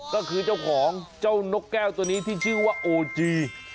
ก็คือเจ้าของเจ้านกแก้วตัวนี้ที่ชื่อว่าโอจี